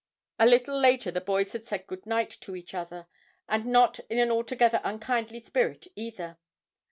A little later the boys had said goodnight to each other, and not in an altogether unkindly spirit either.